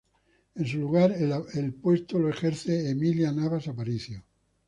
En su lugar el puesto lo ejerce Emilia Navas Aparicio.